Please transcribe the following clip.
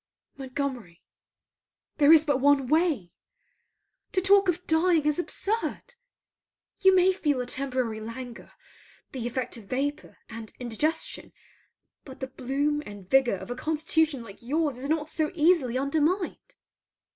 Montgomery, there is but one way. To talk of dying is absurd. You may feel a temporary languor, the effect of vapour and indigestion; but the bloom and vigour of a constitution like your's is not so easily undermined.